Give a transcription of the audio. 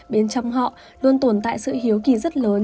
bên trong họ luôn tồn tại sự hiếu kỳ rất lớn